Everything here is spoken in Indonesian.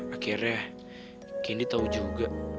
akhirnya kini tau juga